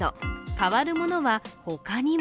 変わるものは、ほかにも。